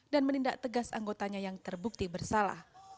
dan menindak tegas anggotanya yang terbukti bersalah